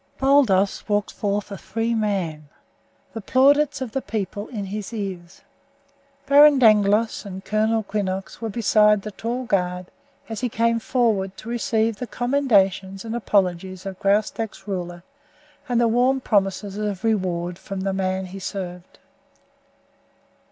Baldos walked forth a free man, the plaudits of the people in his ears. Baron Dangloss and Colonel Quinnox were beside the tall guard as he came forward to receive the commendations and apologies of Graustark's ruler and the warm promises of reward from the man he served.